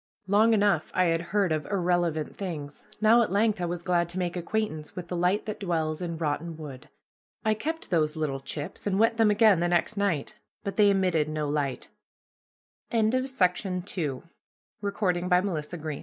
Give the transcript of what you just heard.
Long enough I had heard of irrelevant things; now at length I was glad to make acquaintance with the light that dwells in rotten wood. I kept those little chips and wet them again the next night, but they emitted no light. FOOTNOTES: The name dipper is applied to se